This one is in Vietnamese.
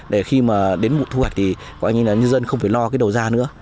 để khi mà đến mụ thu hoạch thì có nghĩa là nhân dân không phải lo cái đầu ra nữa